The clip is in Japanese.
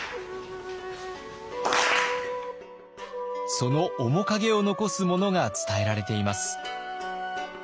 その面影を残すものが伝えられています。